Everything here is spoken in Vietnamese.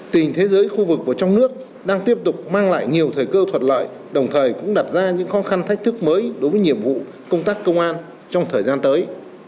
tình thế giới khu vực và trong nước đang tiếp tục mang lại nhiều thời cơ thuận lợi đồng thời cũng đặt ra những khó khăn thách thức mới đối với nhiệm vụ công tác công an trong thời gian tới